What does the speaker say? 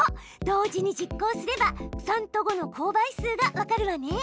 同時に実行すれば３と５の公倍数が分かるわね！